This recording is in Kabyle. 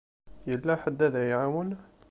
Yella ḥedd ad y-iɛawen?